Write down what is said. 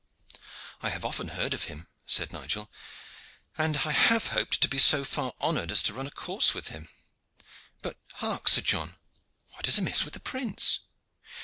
"I have often heard of him," said Nigel, "and I have hoped to be so far honored as to run a course with him. But hark, Sir John, what is amiss with the prince?"